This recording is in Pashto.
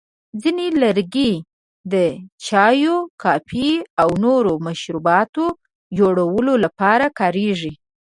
ځینې لرګي د چایو، کافي، او نورو مشروباتو جوړولو لپاره کارېږي.